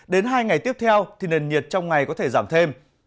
đến hai ngày tiếp theo thì nền nhiệt trong ngày có thể giảm thêm